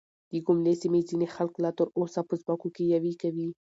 د ګوملې سيمې ځينې خلک لا تر اوسه په ځمکو کې يوې کوي .